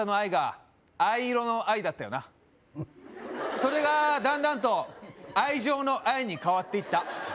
それがだんだんと愛情の「愛」に変わっていった